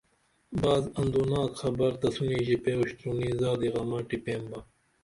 بعض اندوناک خبر تسونی ژپے اُوشترونی زادی غمہ ٹِپیمبا